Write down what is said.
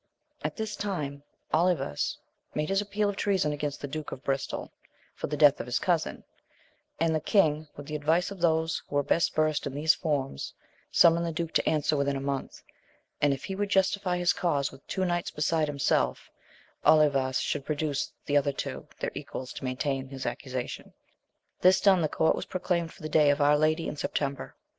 At this time Olivas made his appeal of treason against the Duke of Bristol, for the death of his cousin ; and the king, with the advice of those who were best versed in these forms, summoned the duke to answer within a month, and if he would justify his cause with two knights beside himself, Olivas should produce other two their equals to main tain his accusation. This done, the court was pro claimed for the day of our Lady in September.